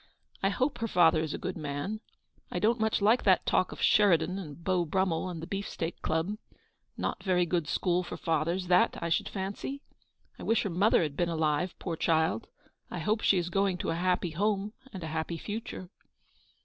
I hope her father is a good man. I don't much like that talk of Sheridan and Beau Brummel and the Beefsteak Club. No very good school for fathers, that, I should fancy. I wish her mother had been alive, poor child. I hope she is going to a happy home, and a happy future."